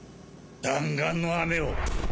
弾丸の雨を！